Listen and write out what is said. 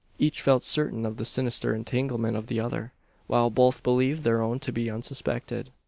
Each felt certain of the sinister entanglement of the other; while both believed their own to be unsuspected.